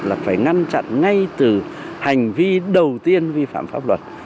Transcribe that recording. là phải ngăn chặn ngay từ hành vi đầu tiên vi phạm pháp luật